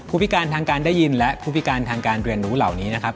พิการทางการได้ยินและผู้พิการทางการเรียนรู้เหล่านี้นะครับ